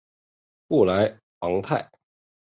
布里昂泰。